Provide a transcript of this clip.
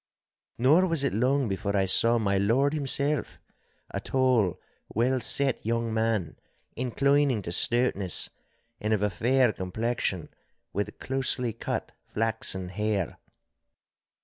Nor was it long before I saw my lord himself, a tall, well set young man, inclining to stoutness, and of a fair complexion with closely cut flaxen hair.